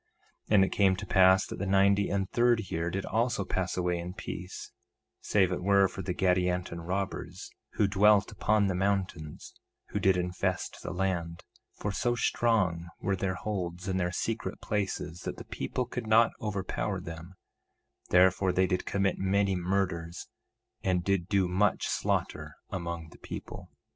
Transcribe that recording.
1:27 And it came to pass that the ninety and third year did also pass away in peace, save it were for the Gadianton robbers, who dwelt upon the mountains, who did infest the land; for so strong were their holds and their secret places that the people could not overpower them; therefore they did commit many murders, and did do much slaughter among the people.